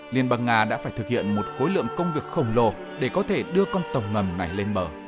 liên bang nga đã phải thực hiện một khối lượng công việc khổng lồ để có thể đưa con tàu ngầm này lên bờ